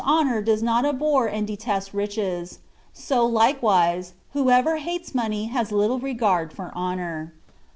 7 • honour does not abhor and detest riches ; so like wise, whoever hates money has little regard for honour.